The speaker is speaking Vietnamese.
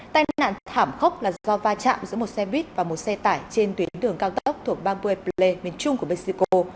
tai nạn thảm khốc là do va chạm giữa một xe buýt và một xe tải trên tuyến đường cao tốc thuộc bamboue plei miền trung của mexico